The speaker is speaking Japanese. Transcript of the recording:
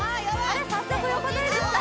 早速横取りですか？